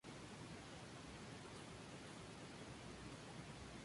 Es considerada un musical.